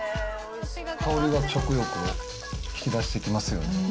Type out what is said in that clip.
香りが食欲を引き出してきますよね。